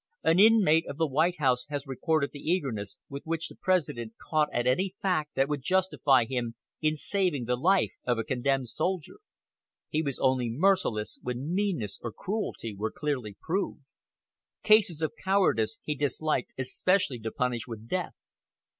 An inmate of the White House has recorded the eagerness with which the President caught at any fact that would justify him in saving the life of a condemned soldier. He was only merciless when meanness or cruelty were clearly proved. Cases of cowardice he disliked especially to punish with death.